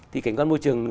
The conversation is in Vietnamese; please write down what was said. thì cảnh quan môi trường